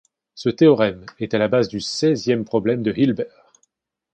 Ce théorème est à la base du seizième problème de Hilbert.